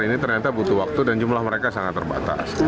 ini ternyata butuh waktu dan jumlah mereka sangat terbatas